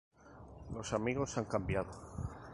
Los amigos han cambiado.